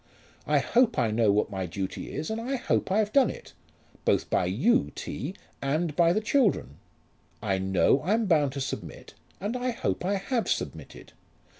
I hope I know what my duty is and I hope I've done it; both by you, T., and by the children. I know I'm bound to submit, and I hope I have submitted.